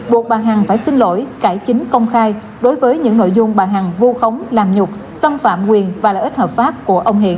buộc bà hằng phải xin lỗi cải chính công khai đối với những nội dung bà hằng vu khống làm nhục xâm phạm quyền và lợi ích hợp pháp của ông hiện